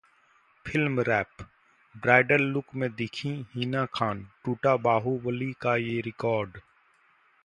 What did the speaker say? Film Wrap: bridal look में दिखीं हिना खान, टूटा बाहुबली का ये रिकॉर्ड